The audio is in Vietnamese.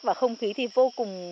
và không khí thì vô cùng